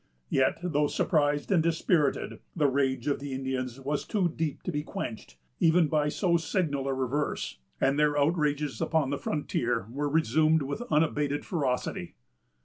Yet, though surprised and dispirited, the rage of the Indians was too deep to be quenched, even by so signal a reverse; and their outrages upon the frontier were resumed with unabated ferocity.